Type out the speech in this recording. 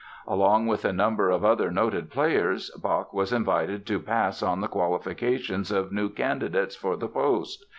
Along with a number of other noted players Bach was invited to pass on the qualifications of new candidates for the post.